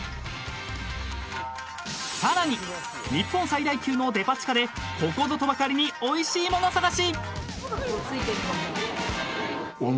［さらに日本最大級のデパ地下でここぞとばかりにおいしいもの探し］